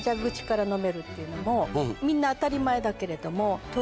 みんな当たり前だけれども。